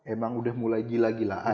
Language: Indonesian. emang udah mulai gila gilaan